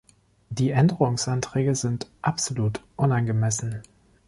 Die Änderungsanträge sind absolut unangemessen.